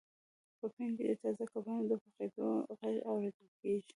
په پین کې د تازه کبانو د پخیدو غږ اوریدل کیږي